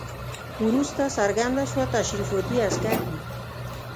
وروسته څرګنده شوه تشریفاتي عسکر دي.